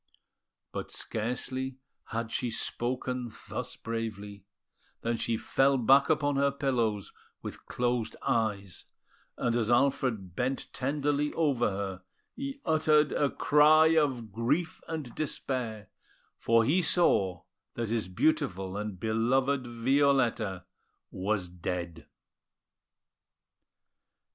But scarcely had she spoken thus bravely, than she fell back upon her pillows with closed eyes; and as Alfred bent tenderly over her, he uttered a cry of grief and despair, for he saw that his beautiful and beloved Violetta was dead!